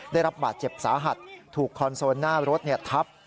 ได้รับบาดเจ็บสาหัสถูกคอนโซลหน้ารถทับ